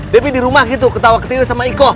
debbie di rumah gitu ketawa ketawa sama iko